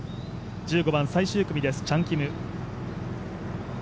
１５番、最終組です、チャン・キム。